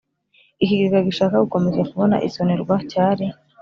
Ikigega gishaka gukomeza kubona isonerwa cyari